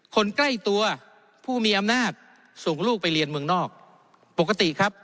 คนใกล้ตัวผู้มีอำนาจส่งลูกไปเรียนเมืองนอกปกติครับ